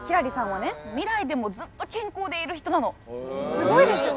すごいでしょ？